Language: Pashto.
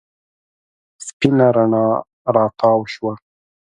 سپېنه رڼا راتاو شوه.